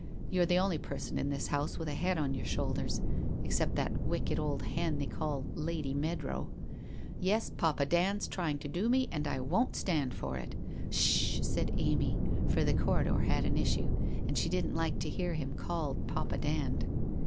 ' You're the only person in this house with a head on your shoulders, except that wicked old hen they call Lady Meadrow. Yes, Papa Dand's trying to do me, and I won't stand it !'' Sh h !' said Amy, for the corridor had an issue, and she didn't like to hear him called Papa Dand.